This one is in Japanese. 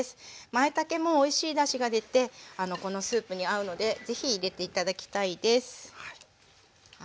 まいたけもおいしいだしが出てこのスープに合うので是非入れて頂きたいです。